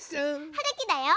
はるきだよ。